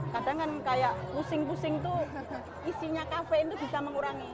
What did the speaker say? kadang kaya kusing kusing tuh isinya kafe itu bisa mengurangi